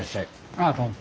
ああどうも。